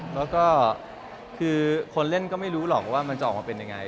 แล้วก็คือคนเล่นก็ไม่รู้หรอกว่ามันจะออกมาเป็นยังไง